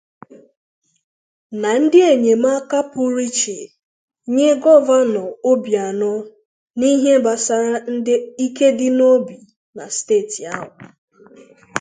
na ndị enyemaka pụrụ iche nye Gọvanọ Obianọ n'ihe gbasaara ndị ikedịnobi na steeti ahụ.